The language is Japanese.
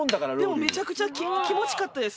めちゃくちゃ気持ちよかったです。